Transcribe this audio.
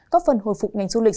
góp phần hồi phục ngành du lịch